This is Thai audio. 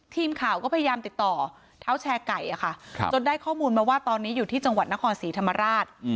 ทีมข่าวก็พยายามติดต่อเท้าแชร์ไก่จนได้ข้อมูลมาว่าตอนนี้อยู่ที่จังหวัดนครศรีธรรมราช